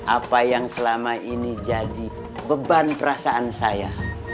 apa yang selama ini jadi beban perasaan saya